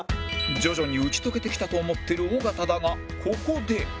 徐々に打ち解けてきたと思ってる尾形だがここで